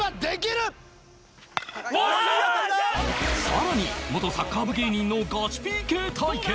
さらに元サッカー部芸人のガチ ＰＫ 対決！